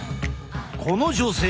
この女性